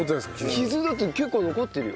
傷だって結構残ってるよ。